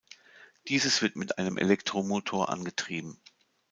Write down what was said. Dieses wird mit einem Elektromotor angetrieben.